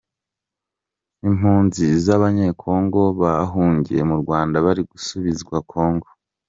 Impunzi z’Abanyecongo bahungiye mu Rwanda bari gusubizwa Congo.